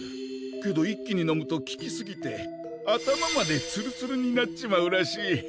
けど一気に飲むと効きすぎて頭までつるつるになっちまうらしい！